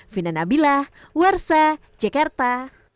fina nabilah warsa jakarta